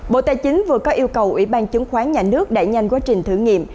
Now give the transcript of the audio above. bộ tài chính vừa có yêu cầu ủy ban chứng khoán nhà nước đẩy nhanh quá trình thử nghiệm